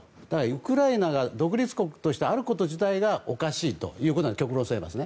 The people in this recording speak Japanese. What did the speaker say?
ウクライナが独立国としてあること自体がおかしいということなんです